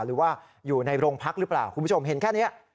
หรือว่าอยู่ในโรงพักหรือเปล่าคุณผู้ชมเห็นแค่นี้